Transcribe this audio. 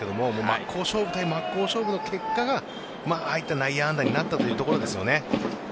真っ向勝負対真っ向勝負の結果ああいった内野安打になったというところですよね。